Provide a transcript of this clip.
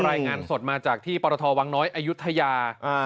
รายงานสดมาจากที่ปรทวังน้อยอายุทยา